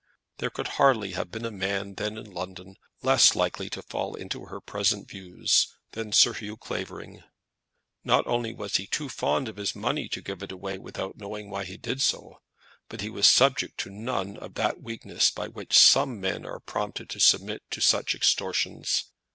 There could hardly have been a man then in London less likely to fall into her present views than Sir Hugh Clavering. Not only was he too fond of his money to give it away without knowing why he did so; but he was subject to none of that weakness by which some men are prompted to submit to such extortions.